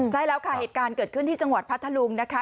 ใช่แล้วค่ะเหตุการณ์เกิดขึ้นที่จังหวัดพัทธลุงนะคะ